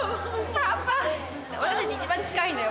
私たち一番近いんだよ